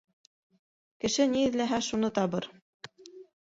Кеше ни эҙләһә, шуны табыр.